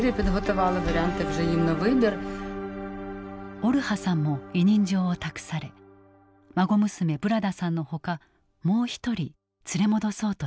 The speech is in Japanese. オルハさんも委任状を託され孫娘ブラダさんのほかもう一人連れ戻そうとしていた。